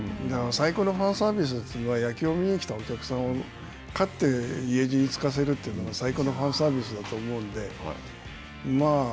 だから最高のファンサービスというのは野球を見に来たお客さんを勝って家路につかせるというのが最高のファンサービスだと思うので。